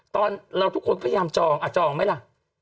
ตอนเราทุกคนพยายามจองอ่ะจองไหมล่ะ